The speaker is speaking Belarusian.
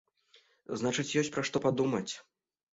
Значыць, ёсць пра што падумаць.